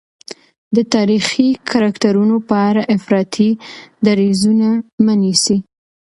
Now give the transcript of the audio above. د تاریخي کرکټرونو په اړه افراطي دریځونه مه نیسئ.